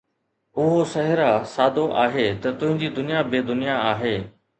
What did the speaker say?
اهو صحرا سادو آهي، ته تنهنجي دنيا بي بنياد آهي